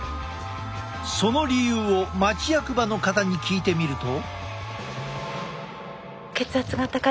その理由を町役場の方に聞いてみると。